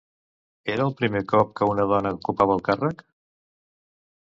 Era el primer cop que una dona ocupava el càrrec?